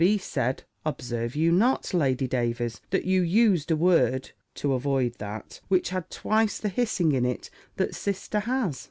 B. said, "Observe you not, Lady Davers, that you used a word (to avoid that) which had twice the hissing in it that sister has?